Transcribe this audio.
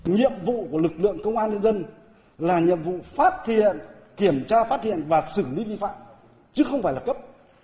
nhiệm vụ của lực lượng công an nhân dân là nhiệm vụ phát hiện kiểm tra phát hiện và xử lý vi phạm chứ không phải là cấp